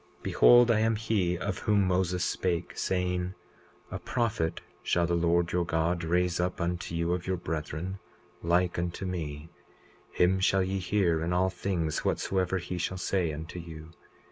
20:23 Behold, I am he of whom Moses spake, saying: A prophet shall the Lord your God raise up unto you of your brethren, like unto me; him shall ye hear in all things whatsoever he shall say unto you.